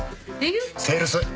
セールス。